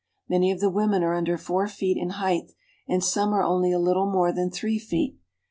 Many of the women are under four feet in height, and some are only a little more than three feet.